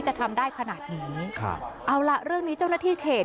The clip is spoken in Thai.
จะทำได้ขนาดนี้ครับเอาล่ะเรื่องนี้เจ้าหน้าที่เขต